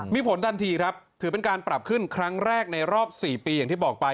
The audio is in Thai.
มีผลทันทีครับถือเป็นการปรับขึ้นครั้งแรกในรอบ๔ปีอย่างที่บอกไป